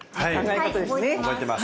はい覚えてます。